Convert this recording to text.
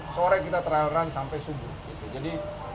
sore kita trail run sampai subuh gitu